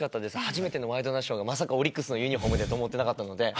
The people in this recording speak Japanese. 初めてのワイドナショーがまさかオリックスのユニホームでと思わなかったので。